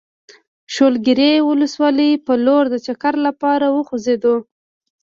د شولګرې ولسوالۍ په لور د چکر لپاره وخوځېدو.